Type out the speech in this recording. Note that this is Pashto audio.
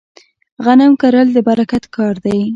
غنم کرل د برکت کار دی.